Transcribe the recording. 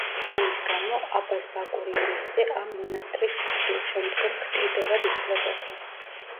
ამის გამო აბაზ ბაკურიანის ძე ამ მონასტრის სიკვდილშემდგომ ქტიტორად ითვლებოდა.